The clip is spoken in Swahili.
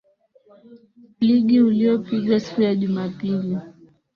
ligi uliopigwa siku ya jumapili